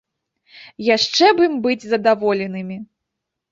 Яшчэ б ім быць задаволенымі!